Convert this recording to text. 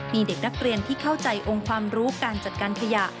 มีเด็กนักเรียนที่เข้าใจองค์ความรู้การจัดการขยะ